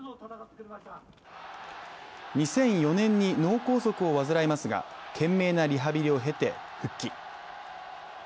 ２００４年に脳梗塞を患いますが懸命なリハビリを経て復帰。